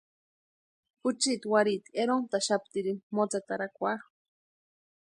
Juchiti warhiiti erontaxaptirini motsetarakwarhu.